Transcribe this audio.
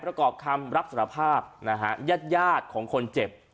ประกอบคำรับสารภาพนะฮะญาติยาดของคนเจ็บ